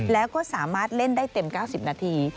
แล้วก็สามารถเล่นได้เต็ม๙๐นาที